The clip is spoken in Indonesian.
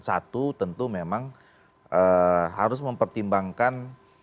satu tentu memang harus mempertimbangkan